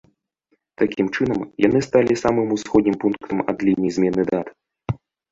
Такім чынам, яны сталі самым ўсходнім пунктам ад лініі змены дат.